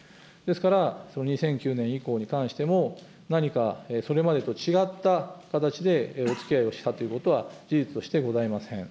ですから、２００９年以降に関しても、何かそれまでと違った形でおつきあいをしたということは、事実としてございません。